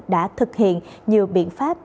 đã thực hiện nhiều biện pháp